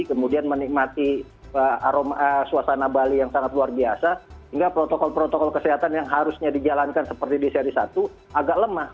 kemudian menikmati suasana bali yang sangat luar biasa hingga protokol protokol kesehatan yang harusnya dijalankan seperti di seri satu agak lemah